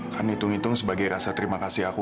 kan hitung hitung sebagai rasa terima kasih aku